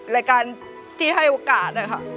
รายการที่ให้โอกาสนะคะ